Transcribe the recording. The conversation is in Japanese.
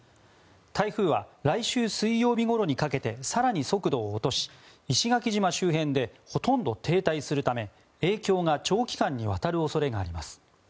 台風は来週水曜日ごろにかけて更に速度を落とし石垣島周辺でほとんど停滞するため影響が長期間にわたる恐れがあります。